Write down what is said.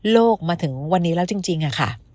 มาถึงวันนี้แล้วจริงค่ะ